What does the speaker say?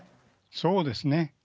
そうですね。